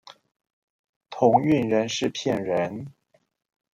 同運人士騙人